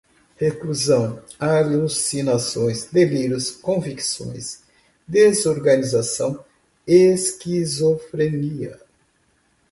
reclusão, alucinações, delírios, convicções, desorganização, esquizofrenia